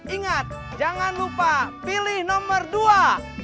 ingat jangan lupa pilih nomor dua